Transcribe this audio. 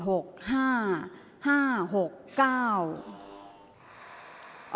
ออกรางวัลที่๖